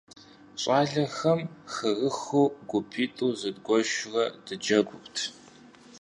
ЩӀалэхэм хырыхыу гупитӀу зыдгуэшурэ дыджэгурт.